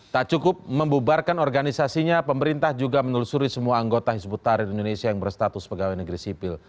tak cukup membubarkan organisasinya pemerintah juga menelusuri semua anggota hizbut tahrir indonesia yang berstatus pegawai negeri sipil